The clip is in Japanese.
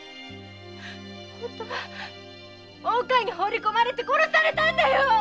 本当は大川に抛りこまれて殺されたんだよ！